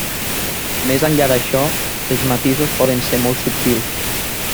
Més enllà d'això, els matisos poden ser molt subtils.